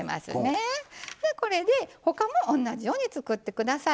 これでほかも同じように作ってください。